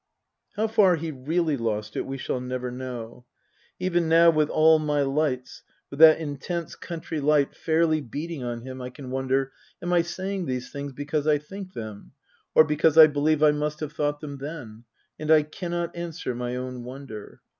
How far he really lost it we shall never know. Even now, with all my lights, with that intense country light Book II : Her Book 223 fairly beating on him, I can wonder : Am I saying these things because I think them ? Or because I believe I must have thought them then ? And I cannot answer my own wonder.